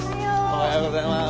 おはようございます。